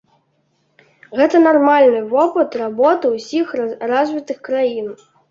Гэта нармальны вопыт работы ўсіх развітых краін.